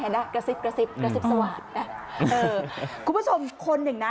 เห็นไหมกระซิบกระซิบกระซิบสวาสคุณผู้ชมคนหนึ่งน่ะ